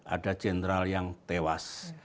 ada jenderal yang tewas